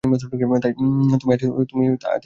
তাই আজ তুমি তাকেও মেরে দিয়েছ।